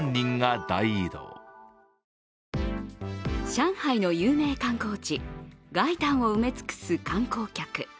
上海の有名観光地、外灘を埋め尽くす観光客。